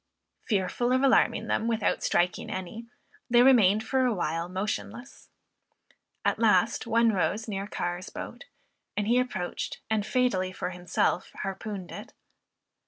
Fearful of alarming them without striking any, they remained for a while motionless. At last one rose near Carr's boat, and he approached, and fatally for himself, harpooned it.